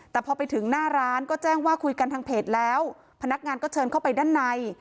แต่พอไปถึงหน้าร้านก็แจ้งว่าคุยกันทางเพจแล้วพนักงานก็เชิญเข้าไปด้านใน